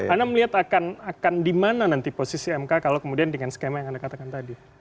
anda melihat akan dimana nanti posisi mk kalau kemudian dengan skema yang anda katakan tadi